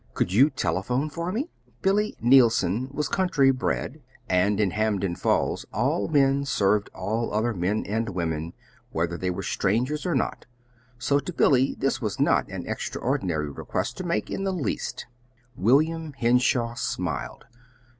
Could you telephone for me?" Billy Neilson was country bred, and in Hampden Falls all men served all other men and women, whether they were strangers or not; so to Billy this was not an extraordinary request to make, in the least. William Henshaw smiled.